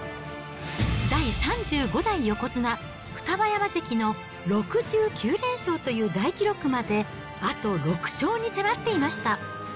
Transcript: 第３５代横綱・双葉山関の６９連勝という大記録まであと６勝に迫っていました。